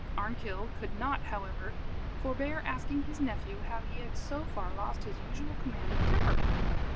Arnkill could not, however, forbear asking his nephew how he had so far lost his usual command of temper.